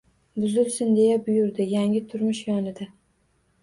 — Buzilsin! — deya buyurdi. — Yangi turmush yonida